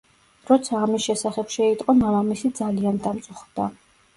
როცა ამის შესახებ შეიტყო, მამამისი ძალიან დამწუხრდა.